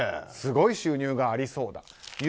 すごい収入がありそうだと。